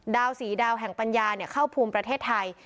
ดาวสีดาวแห่งปัญญาเนี่ยเข้าพุมประเทศไทย